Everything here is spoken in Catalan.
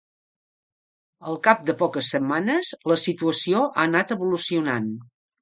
Al cap de poques setmanes, la situació ha anat evolucionant.